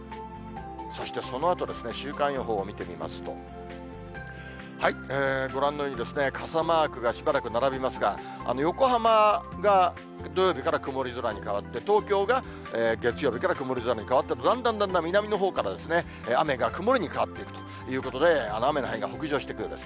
そしてそのあとですね、週間予報を見てみますと、ご覧のように、傘マークがしばらく並びますが、横浜が土曜日から曇り空に変わって、東京が月曜日から曇り空に変わってと、だんだんだんだん南のほうから雨が曇りに変わっていくと、雨の範囲が北上してくるようです。